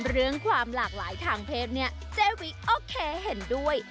เรื่องความหลากหลายทางเพศเนี่ยเจวิกโอเคเห็นด้วย